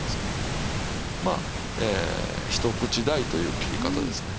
まあ一口大という切り方ですね。